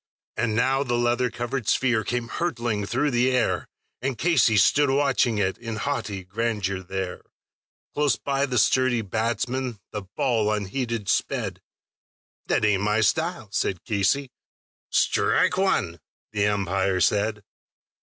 And now the leather covered sphere came hurtling through the air, And Casey stood a watching it in haughty grandeur there; Close by the sturdy batsman the ball unheeded sped: "That ain't my style," said Casey. "Strike one," the umpire said.